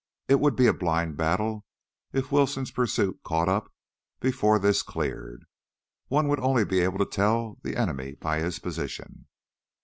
It would be a blind battle if Wilson's pursuit caught up before this cleared; one would only be able to tell the enemy by his position.